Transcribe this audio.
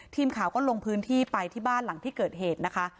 ทีมข่าวก็ลงพื้นที่ไปที่บ้านหลังที่เกิดเหตุนะคะ